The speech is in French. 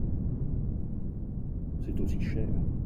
C’est aussi cher.